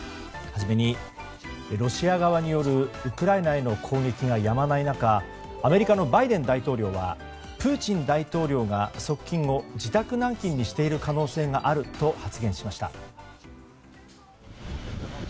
初めにロシア側によるウクライナへの攻撃がやまない中アメリカのバイデン大統領はプーチン大統領が側近を自宅軟禁にしている可能性があると発言しました。